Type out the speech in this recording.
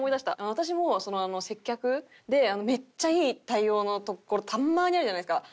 私も接客でめっちゃいい対応のところたまにあるじゃないですか。